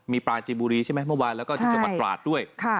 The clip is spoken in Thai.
มีปลาจีนบุรีใช่ไหมเมื่อวานแล้วก็ที่จังหวัดตราดด้วย